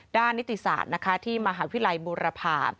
ด้านนิติศาสตร์ที่มหาวิทยาลัยบุรพา